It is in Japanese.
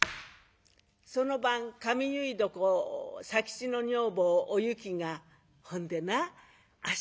その晩髪結い床佐吉の女房おゆきが「ほんでな明日